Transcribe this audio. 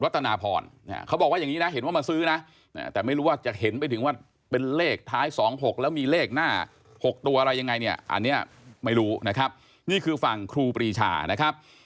แต่เห็นไปถึงว่าเป็นเลขท้าย๒๖แล้วมีเลขหน้า๖ตัวอะไรยังไงเนี่ยอันนี้ไม่รู้นะครับนี่คือฝั่งครูปรีชานะครับ